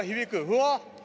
うわっ。